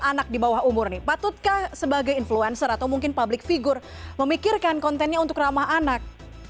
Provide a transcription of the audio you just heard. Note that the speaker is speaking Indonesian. anak di bawah umur nih patutkah sebagai influencer atau mungkin public figure memikirkan kontennya untuk ramah anak